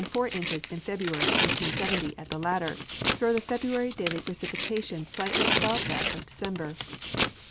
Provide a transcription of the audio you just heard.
00 inches in Februaiy, 1870, at the latter, throw the February daily pre^cipitation slightly al)Ove that of December.